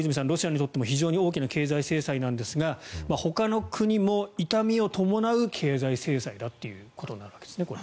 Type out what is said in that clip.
ロシアにとっても非常に大きな経済制裁なんですがほかの国も痛みを伴う経済制裁だというわけですね。